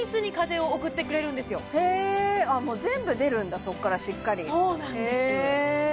もう全部出るんだそっからしっかりそうなんですよへ